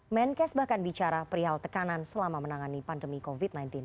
menkes bahkan bicara perihal tekanan selama menangani pandemi covid sembilan belas